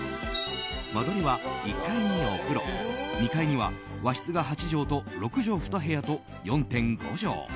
間取りは１階にお風呂２階には和室が８畳と６畳２部屋と４．５畳。